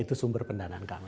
itu sumber pendanaan kami